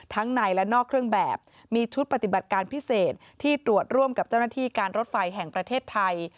ในและนอกเครื่องแบบมีชุดปฏิบัติการพิเศษที่ตรวจร่วมกับเจ้าหน้าที่การรถไฟแห่งประเทศไทย